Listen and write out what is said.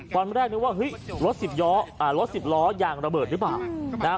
ตอนแรกนึกว่ารถสิบย้อรถสิบล้อยางระเบิดหรือเปล่า